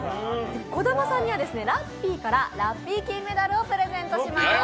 兒玉さんにはラッピーからラッピー金メダルをプレゼントです。